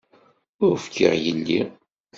Ur fkiɣ yelli.